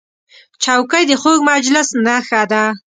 چوکۍ د خوږ مجلس نښه ده.